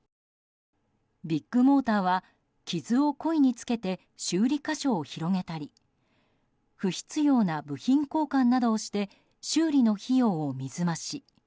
ビッグモーターは傷を故意につけて修理箇所を広げたり不必要な部品交換などをして修理の費用を水増し。